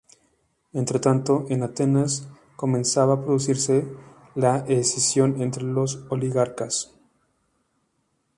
Entretanto, en Atenas comenzaba a producirse la escisión entre los oligarcas.